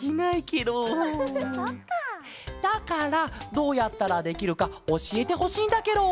だからどうやったらできるかおしえてほしいんだケロ！